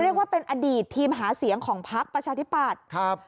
เรียกว่าเป็นอดีตทีมหาเสียงของพักประชาธิปัตย์ครับ